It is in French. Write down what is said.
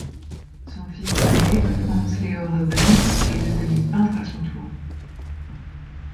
Son fils aîné, Franz Leo Ruben, est devenu peintre à son tour.